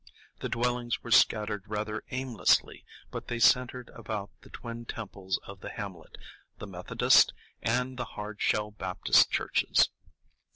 The dwellings were scattered rather aimlessly, but they centred about the twin temples of the hamlet, the Methodist, and the Hard Shell Baptist churches.